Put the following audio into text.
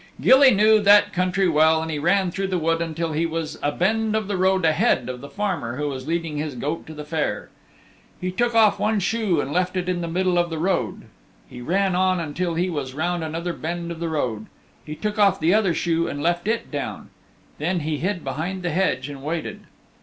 Gilly knew that country well and he ran through the wood until he was a bend of the road ahead of the farmer who was leading his goat to the fair. He took off one shoe and left it in the middle of the road. He ran on then until he was round another bend of the road. He took off the other shoe and left it down. Then he hid behind the hedge and waited.